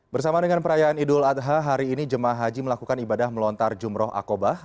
bersama dengan perayaan idul adha hari ini jemaah haji melakukan ibadah melontar jumroh akobah